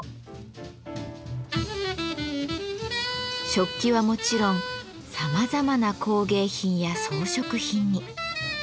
食器はもちろんさまざまな工芸品や装飾品に。